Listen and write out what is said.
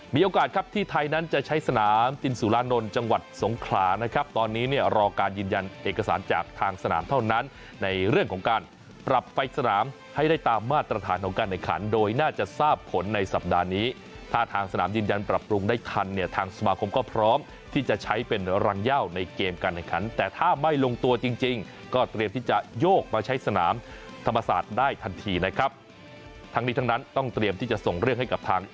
มีโอกาสครับที่ไทยนั้นจะใช้สนามตินสุรานนท์จังหวัดสงครานะครับตอนนี้เนี่ยรอการยืนยันเอกสารจากทางสนามเท่านั้นในเรื่องของการปรับไฟล์สนามให้ได้ตามมาตรฐานของการในขันโดยน่าจะทราบผลในสัปดาห์นี้ถ้าทางสนามยืนยันปรับปรุงได้ทันเนี่ยทางสุภาคมก็พร้อมที่จะใช้เป็นรังย่าวในเกมการในขั